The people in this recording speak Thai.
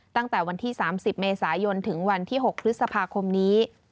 ตั้งแต่วันที่๓๐เมษายนถึงวันที่๖พฤษภาคมนี้